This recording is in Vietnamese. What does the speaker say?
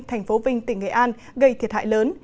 thành phố vinh tỉnh nghệ an gây thiệt hại lớn